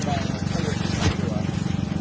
สามารถหรืออยู่กันนี้